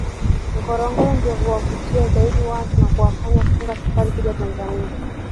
Ngorongoro ndiyo huwavutia zaidi watu na kuwafanya kufunga safari kuja Tanzania